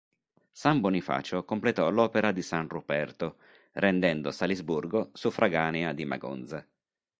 San Bonifacio completò l'opera di san Ruperto, rendendo Salisburgo suffraganea di Magonza.